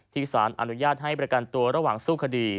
สารอนุญาตให้ประกันตัวระหว่างสู้คดี